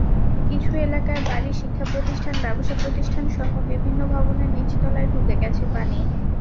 কিছু এলাকায় বাড়ি, শিক্ষাপ্রতিষ্ঠান, ব্যবসাপ্রতিষ্ঠানসহ বিভিন্ন ভবনের নিচতলায় ঢুকে গেছে পানি।